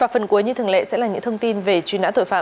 phần cuối như thường lệ sẽ là những thông tin về chuyện